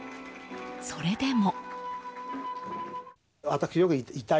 それでも。